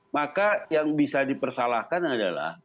maka yang bisa dipersalahkan adalah ya yang terjadi adalah kejadiannya